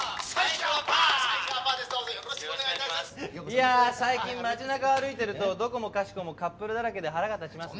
いやあ最近街中を歩いてるとどこもかしこもカップルだらけで腹が立ちますね。